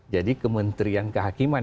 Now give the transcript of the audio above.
jadi kementerian kehakiman